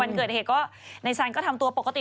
วันเกิดเหตุก็นายสันก็ทำตัวปกติ